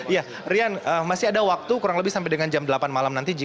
ya rian masih ada waktu kurang lebih sampai dengan jam delapan malam nanti